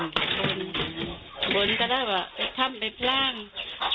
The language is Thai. สักแล้วเข้าไปแดบใบทราแบบนี้